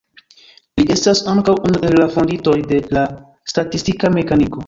Li estas ankaŭ unu el la fondintoj de la statistika mekaniko.